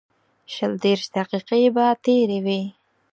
شل دېرش دقیقې به تېرې وې.